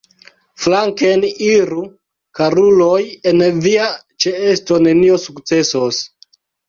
Flanken iru, karuloj, en via ĉeesto nenio sukcesos!